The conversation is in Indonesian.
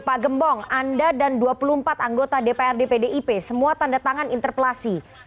pak gembong anda dan dua puluh empat anggota dprd pdip semua tanda tangan interpelasi